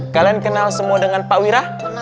kalian kenal semua dengan pak wira